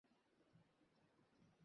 আমার হোটেল, আমার হোটেল!